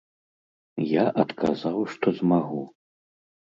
Я адказаў, што змагу.